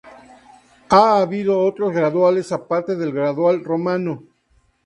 Ha habido otros graduales, aparte del Gradual Romano.